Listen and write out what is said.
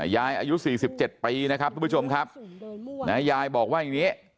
อายุ๔๗ปีนะครับทุกผู้ชมครับยายบอกว่าอย่างนี้